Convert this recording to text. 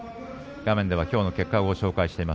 画面はきょうの結果です。